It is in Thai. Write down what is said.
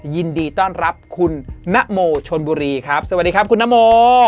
ยินดีต้อนรับคุณนโมชนบุรีครับสวัสดีครับคุณนโม